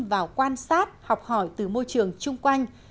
vào quan sát học hỏi từ môi trường chung quanh